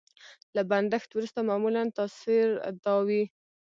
له بندښت وروسته معمولا تاثر دا وي.